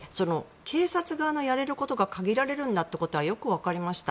警察側のやれることが限られるんだということがよくわかりました。